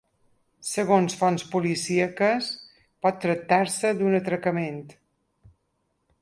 Segons fonts policíaques, pot tractar-se d’un atracament.